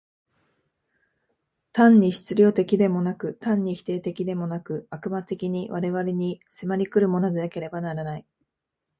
単に質料的でもなく、単に否定的でもなく、悪魔的に我々に迫り来るものでなければならない。